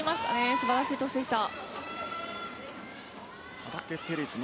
素晴らしいトスでした。